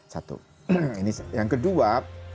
satu ini yang kedua